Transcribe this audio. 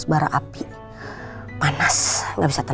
selalu engkau tersalih shocking kometa apa ini